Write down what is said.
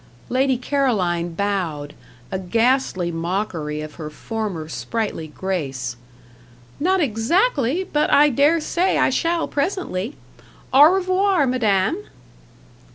Lady Caroline bowed a ghastly mockery of her former sprightly grace. "Not exactly; but I dare say I shall presently au revoir, madame!"